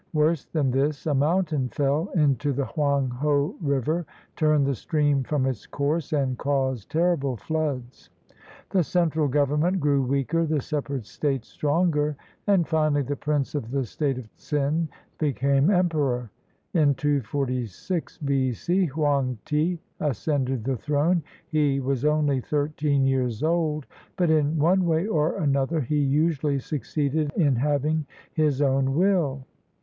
Worse than this, a mountain fell into the Hoang ho River, turned the stream from its course, and caused terrible floods. The central government grew weaker, the separate states stronger, and finally the prince of the State of Tsin became emperor. In 246 B.C. Hoang ti ascended the throne. He was only thirteen years old, but in one way or another he usually succeeded in having his own will.